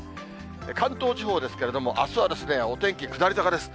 関東地方ですけれども、あすは、お天気下り坂です。